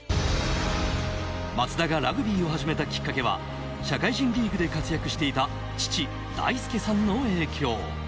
松田がラグビーを始めたきっかけは、社会人リーグで活躍していた父・大輔さんの影響。